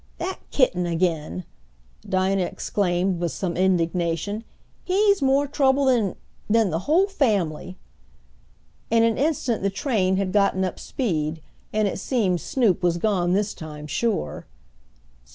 "Dat kitten again!" Dinah exclaimed, with some indignation. "He's more trouble den den de whole family!" In an instant the train had gotten up speed, and it seemed Snoop was gone this time sure.